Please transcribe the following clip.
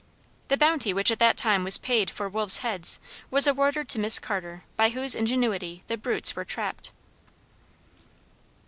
The bounty which at that time was paid for wolves' heads was awarded to Miss Carter by whose ingenuity the brutes were trapped.